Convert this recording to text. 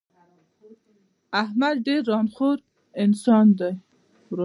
احمد ډېر ًران خور انسان دی.